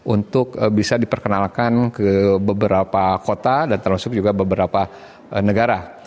untuk bisa diperkenalkan ke beberapa kota dan termasuk juga beberapa negara